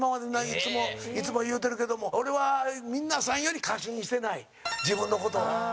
いつも言うてるけども俺は、皆さんより過信してない自分の事を。